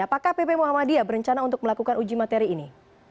apakah pp muhammadiyah berencana untuk melakukan uji materi ini